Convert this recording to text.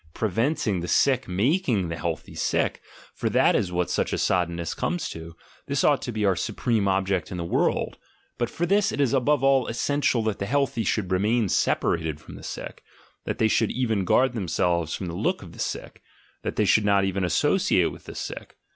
Preventing the sick making the healthy sick — for that is what such a soddenness comes to — this ought to be our supreme object in the world — but for this it is above all essential that the healthy should remain separated from the sick, that they should even guard themselves from the look of the sick, that they should not even associate with the sick.